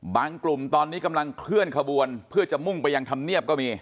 กลุ่มตอนนี้กำลังเคลื่อนขบวนเพื่อจะมุ่งไปยังธรรมเนียบก็มี